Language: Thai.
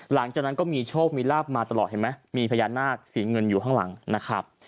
หลังจากนั้นก็มีโชคมีลาบมาตลอดเห็นไหมมีพญานาคสีเงินอยู่ข้างหลังนะครับ